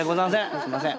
すみません。